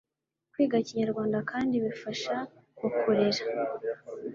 Kwiga Ikinyarwanda kandi bifasha mu kurera